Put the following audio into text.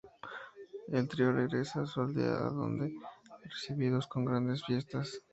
El trío regresa a su aldea donde son recibidos con grandes fiestas.